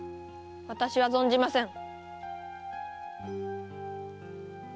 私は存じません。